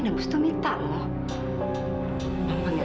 terus ini untuk apa